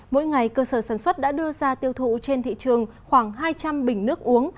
mỗi ngày cơ sở sản xuất đã đưa ra tiêu thụ trên thị trường khoảng hai trăm linh bình nước uống